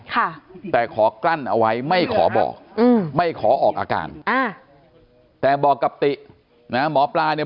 ค่ะแต่ขอกลั้นเอาไว้ไม่ขอบอกอืมไม่ขอออกอาการอ่าแต่บอกกับตินะหมอปลาเนี่ย